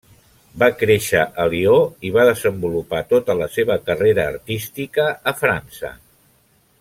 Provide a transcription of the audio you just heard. Va créixer a Lió i va desenvolupar tota la seva carrera artística a França.